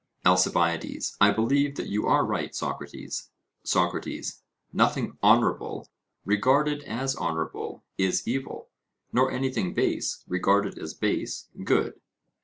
ALCIBIADES: I believe that you are right, Socrates. SOCRATES: Nothing honourable, regarded as honourable, is evil; nor anything base, regarded as base, good.